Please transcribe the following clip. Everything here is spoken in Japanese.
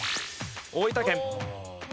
大分県。